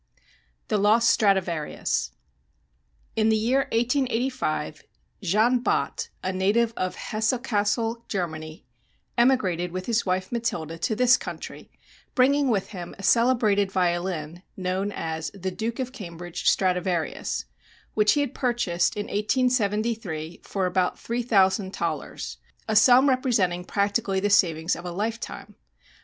III The Lost Stradivarius In the year 1885 Jean Bott, a native of Hesse Cassel, Germany, emigrated with his wife Matilda to this country, bringing with him a celebrated violin known as "The Duke of Cambridge Stradivarius," which he had purchased in 1873 for about three thousand thalers a sum representing practically the savings of a lifetime.